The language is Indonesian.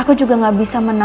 aku juga gak bisa menahan papa